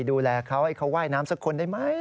ดูแลเขาให้เขาว่ายน้ำสักคนได้ไหม